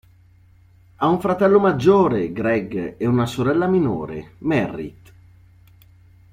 Ha un fratello maggiore, Greg, e una sorella minore, Merritt.